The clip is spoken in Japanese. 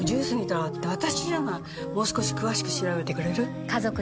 もう少し詳しく調べてくれる？